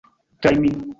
Kaj mi